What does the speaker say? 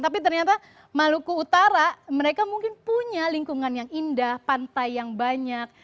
tapi ternyata maluku utara mereka mungkin punya lingkungan yang indah pantai yang banyak